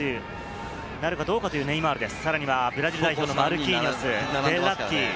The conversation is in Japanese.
今日が復帰戦になるかどうかというネイマールです。